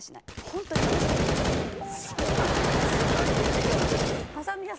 すごい目力です。